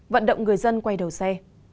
vận động người dân quay đầu xe